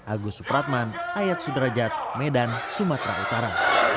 agus supratman ayat sudrajat medan sumatera utara